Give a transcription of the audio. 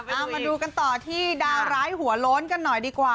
เอามาดูกันต่อที่ดาวร้ายหัวโล้นกันหน่อยดีกว่า